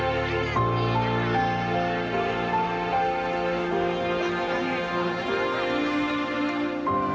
ึงเอาไว้มีผู้สุขชุดตัววิทยาลัยกดุล